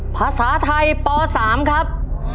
ภาษาไทยป๓ครับ